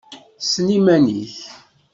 Ssen iman-ik!